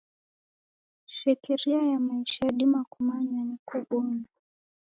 Shekeria ya maisha yadima kumanywa na kubonywa.